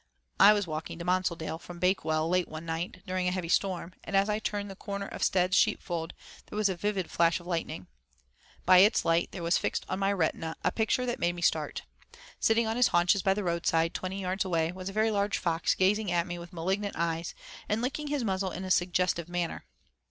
I was walking to Monsaldale from Bakewell late one night during a heavy storm, and as I turned the corner of Stead's sheep fold there was a vivid flash of lightning. By its light, there was fixed on my retina a picture that made me start. Sitting on his haunches by the roadside, twenty yards away, was a very large fox gazing at me with malignant eyes, and licking his muzzle in a suggestive manner.